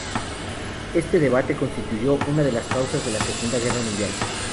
Este debate constituyó una de las causas de la Segunda Guerra Mundial.